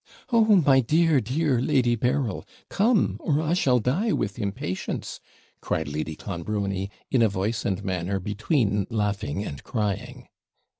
'Oh, my dear, dear Lady Berryl, come! or I shall die with impatience,' cried Lady Clonbrony, in a voice and manner between laughing and crying.